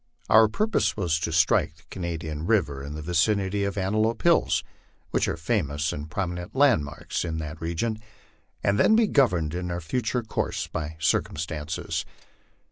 Our purpose was to strike the Canadian river in the vicinity of *' Antelope Hills," which are famous and prominent landmarks in that re gion, and then be governed in our future course by circumstances.